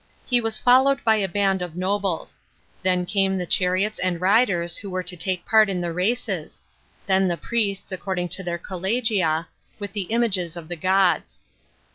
J He was followed by a bind of nobles ; then came the chariots and riders who were to take part in the races ; then the priests according to their collegia, with the images of the gods.